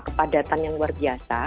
kepadatan yang luar biasa